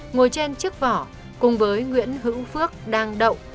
ngồi trên chiếc vỏ cùng với nguyễn hữu phước đang đậu